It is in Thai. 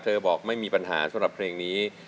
บอกไม่มีปัญหาสำหรับเพลงนี้